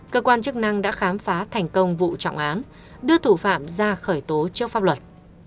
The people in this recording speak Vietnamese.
cơ quan chức năng đã khám phá thành công vụ trọng án đưa thủ phạm ra khởi tố trước pháp luật